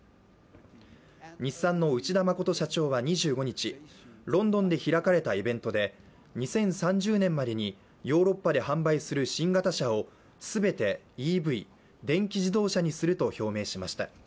日産の内田誠社長は２５日、ロンドンで開かれたイベントで、２０３０年までにヨーロッパで販売する新型車を全てＥＶ＝電気自動車にすると発表しました。